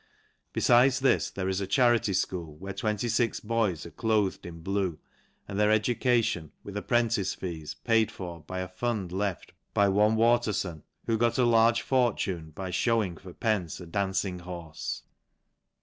Befides this there is a charity fchool, where 26 boys are cloathed in blue, and their education, with apprentice (ees, paid for by a fund left by one Water/on, who got a large for tune by (hewing for pence a dancing horfe.